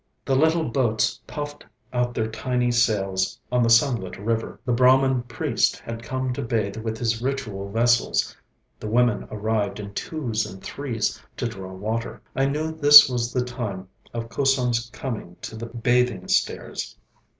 The little boats puffed out their tiny sails on the sunlit river. The Brahmin priest had come to bathe with his ritual vessels. The women arrived in twos and threes to draw water. I knew this was the time of Kusum's coming to the bathing stairs.